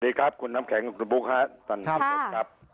ดีครับคุณน้ำแข็งคุณบุคค่ะ